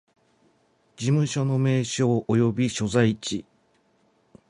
事務所の名称及び所在地